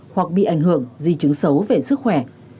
hoặc bị ảnh hưởng di chứng xấu về sức khỏe